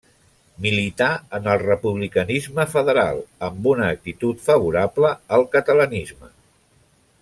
Milità en el republicanisme federal, amb una actitud favorable al catalanisme.